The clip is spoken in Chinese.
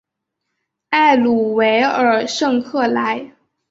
埃鲁维尔圣克莱。